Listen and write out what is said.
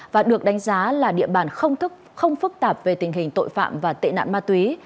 và được đánh giá là địa bàn không thức không phức tạp về tình hình tội phạm và tệ nạn ma túy